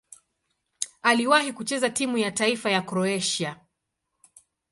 Aliwahi kucheza timu ya taifa ya Kroatia.